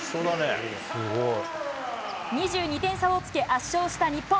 ２２点差をつけ、圧勝した日本。